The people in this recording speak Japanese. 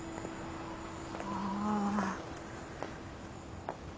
ああ。